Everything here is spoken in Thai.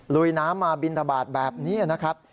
ลุยน้ำมาบินทบาทแบบนี้นะครับ